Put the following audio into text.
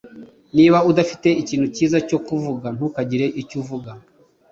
Niba udafite ikintu cyiza cyo kuvuga, ntukagire icyo uvuga.